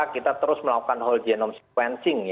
kita terus melakukan whole genome sequencing